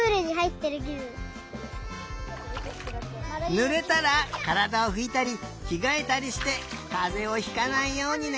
ぬれたらからだをふいたりきがえたりしてかぜをひかないようにね！